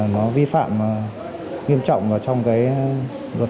nó vi phạm nghiêm trọng trong luật tiện